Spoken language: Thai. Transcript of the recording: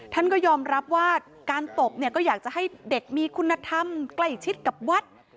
ท่านก็ยอมรับว่าการตบเนี่ยก็อยากจะให้เด็กมีคุณธรรมใกล้ชิดกับวัด